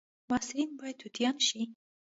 محصلین باید توتیان شي